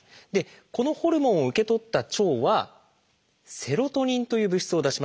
このホルモンを受け取った腸は「セロトニン」という物質を出します。